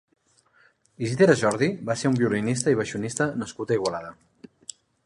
Isidre Jordi va ser un violinista i baixonista nascut a Igualada.